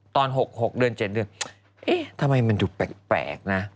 ตอน๖๖เดือน๗เดือนเอ๊ะทำไมมันดูแปลกนะ